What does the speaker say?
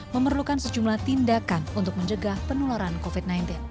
memerlukan sejumlah tindakan untuk menjaga penularan covid sembilan belas